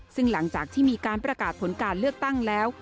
ซึ่งหลังจากที่มีการประกาศผลการเลือกตั้งแล้ว